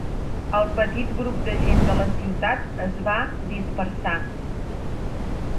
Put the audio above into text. El petit grup de gent de la ciutat es va dispersar.